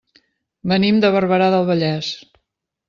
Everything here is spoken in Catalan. Venim de Barberà del Vallès.